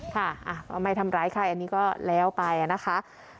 ค่ะก็ไม่ทำร้ายใครอันนี้ก็แล้วไปนะคะ